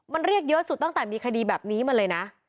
มันเรียกเยอะสุดตั้งแต่มีคดีแบบนี้มาเลยนะ